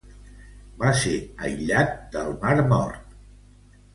Va ser aïllat del Mar Mort.